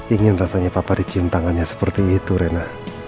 ingin rasanya papa dicintangannya seperti itu rena